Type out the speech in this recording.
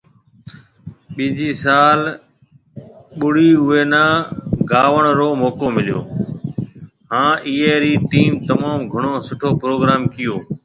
ٻيجي سال بڙي اوئي ني گاوڻ رو موقعو مليو، هان ايئي ري ٽيم تموم گھڻو سٺو پروگروم ڪيئو